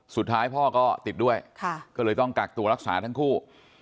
สุดท้ายพ่อก็ติดด้วยก็เลยต้องกักตัวรักษาทั้งคู่